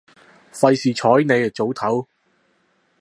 費事睬你，早唞